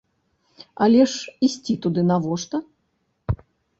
Але ж ісці туды навошта?